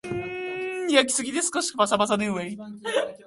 焼きすぎて少しパサパサ